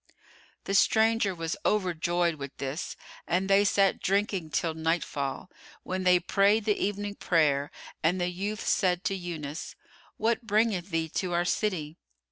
The stranger was overjoyed with this and they sat drinking till nightfall, when they prayed the evening prayer and the youth said to Yunus, "What bringeth thee to our city?"